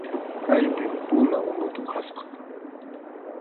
Kaypim puna unuta upyasqa.